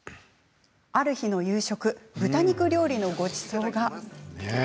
ある日の夕食豚肉料理のごちそうが。